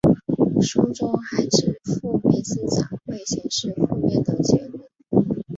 书中还指负面思想会显示负面的结果。